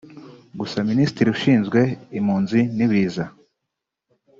Gusa Minisitiri ushinzwe impunzi n’ibiza